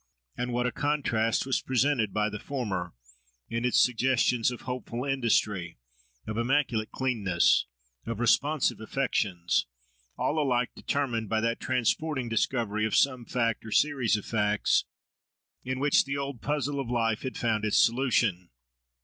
And what a contrast was presented by the former, in its suggestions of hopeful industry, of immaculate cleanness, of responsive affection!—all alike determined by that transporting discovery of some fact, or series of facts, in which the old puzzle of life had found its solution.